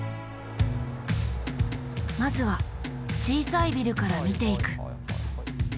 まずは小さいビルから見ていく。